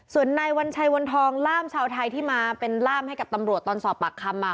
ส่วนนายวัญชัยวันทองล่ามชาวไทยที่มาเป็นล่ามให้กับตำรวจตอนสอบปากคำมา